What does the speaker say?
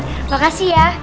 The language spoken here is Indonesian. terima kasih ya